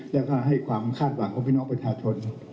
แล้วก็ให้ความคาดหวังของพี่น้องประชาชน